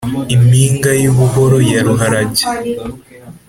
impinga y'ubuhoro ya ruharage,